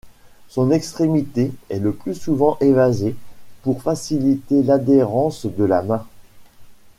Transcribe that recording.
Son extrémité est le plus souvent évasée, pour faciliter l'adhérence de la main.